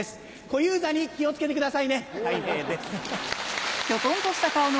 小遊三に気を付けてくださいねたい平です。